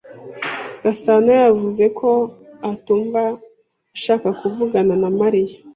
Gasanayavuze ko atumva ashaka kuvugana na Mariya.